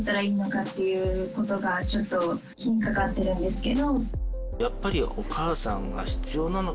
っていうことがちょっと気にかかってるんですけど。